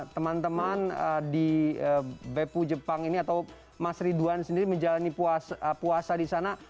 teman teman di bepu jepang ini atau mas ridwan sendiri menjalani puasa di sana